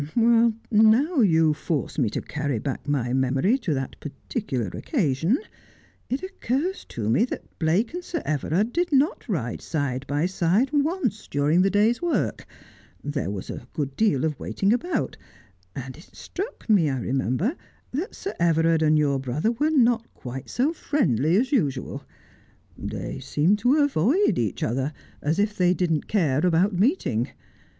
' Now you force me to carry back my memory to that parti cular occasion, it occurs to me that Blake and Sir Everard did not ride side by side once during the day's work. There was a good deal of waiting about ; and it struck me, I remember, that Sir Everard and your brother were not quite so friendly as usual. They seemed to avoid each other, as if they didn't cais about meeting.